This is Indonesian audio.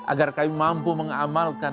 agar kami mampu mengamalkan